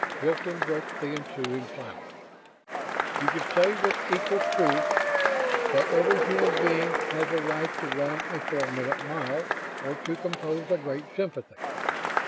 Hilton broke the ensuing silence. "You can say with equal truth that every human being has the right to run a four minute mile or to compose a great symphony.